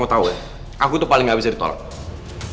mohonlah kamu tau ya aku tuh paling gak bisa ditolak